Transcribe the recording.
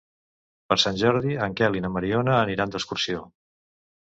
Per Sant Jordi en Quel i na Mariona aniran d'excursió.